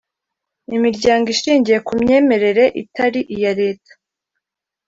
imiryango ishingiye ku myemerere itari iya leta